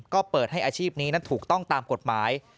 ก็เปิดให้อาชีพนี้นั้นถูกต้องตามกฎหมาย